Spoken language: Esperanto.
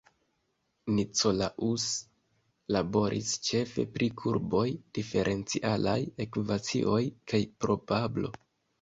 Nicolaus laboris ĉefe pri kurboj, diferencialaj ekvacioj, kaj probablo.